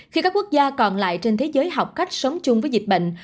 khi các quốc gia còn lại trên thế giới học cách sống chung với dịch bệnh